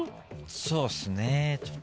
そうっすね。